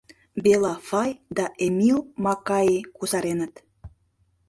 Бэла Фай да Эмил Макаи кусареныт.